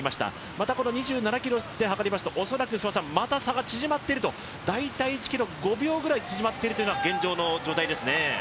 また２７ｋｍではかりますと、恐らくまた差が縮まっていると大体１ｋｍ５秒くらい縮まっているのが現状の状態ですね。